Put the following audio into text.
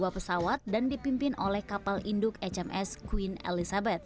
tiga puluh dua pesawat dan dipimpin oleh kapal induk hms queen elizabeth